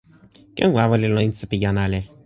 ken wawa li lon insa pi jan ale.